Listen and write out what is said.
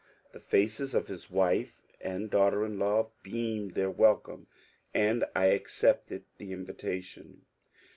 *' The faces of his wife and daughter in law beamed their welcome, and I accepted the invitation.